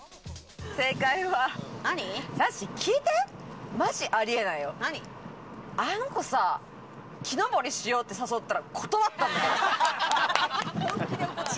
正解は、さっしー聞いて、マジありえないよ、あの子さ、木登りしようって誘ったら断ったんだけど。